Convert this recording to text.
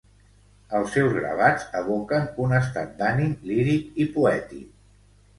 Els seus gravats evoquen un estat d'ànim líric i poètic.